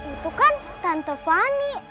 itu kan tante fani